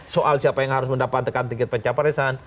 soal siapa yang harus mendapatkan tiket pencaparesan